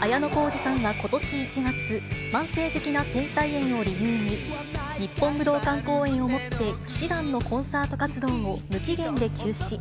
綾小路さんはことし１月、慢性的な声帯炎を理由に、日本武道館公演をもって氣志團のコンサート活動を無期限で休止。